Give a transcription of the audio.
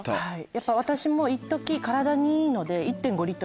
やっぱ私もいっとき体にいいので。